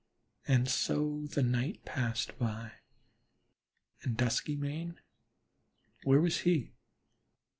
And so the night passed by. And Duskymane? Where was he?